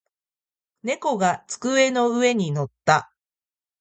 猫が机の上に乗った。